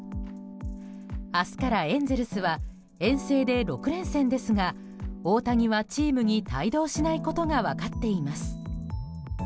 明日からエンゼルスは遠征で６連戦ですが大谷はチームに帯同しないことが分かっています。